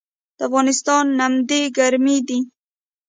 د افغانستان نمدې ګرمې دي